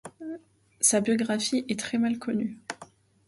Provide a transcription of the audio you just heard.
Sa biographie est très mal connue.